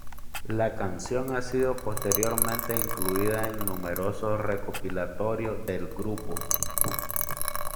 La canción ha sido posteriormente incluida en numerosos recopilatorios del grupo.